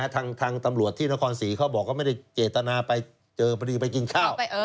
ทางตำรวจที่นครศรีเขาบอกว่าไม่ได้เจตนาไปเจอพอดีไปกินข้าว